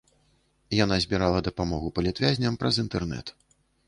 Яна збірала дапамогу палітвязням праз інтэрнэт.